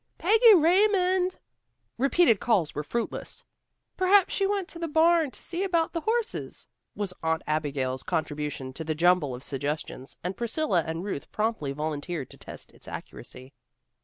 Peggy Raymond!" Repeated calls were fruitless. "Perhaps she went to the barn to see about the horses," was Aunt Abigail's contribution to the jumble of suggestions, and Priscilla and Ruth promptly volunteered to test its accuracy.